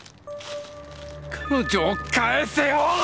彼女を返せよーっ！